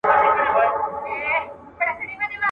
چي یې ګډ وي اخترونه چي شریک یې وي جشنونه.